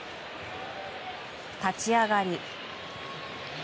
立ち上がり。